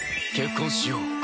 結婚しよう。